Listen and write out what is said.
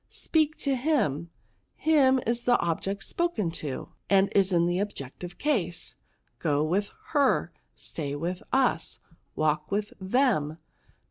Speak to him ; him is the object spoken to, and is in the object ive case. Go with her; stay with its; walk with them.